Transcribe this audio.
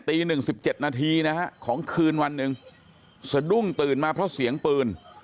ตีหนึ่งสิบเจ็ดนาทีนะฮะของคืนวันหนึ่งสะดุ้งตื่นมาเพราะเสียงปืน